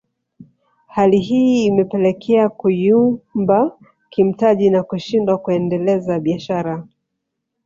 Hali hii imepelekea kuyumba kimtaji na kushindwa kuendeleza biashara